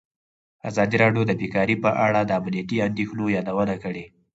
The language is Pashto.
ازادي راډیو د بیکاري په اړه د امنیتي اندېښنو یادونه کړې.